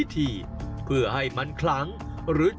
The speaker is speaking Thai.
หันล้วยหันล้วยหันล้วยหันล้วย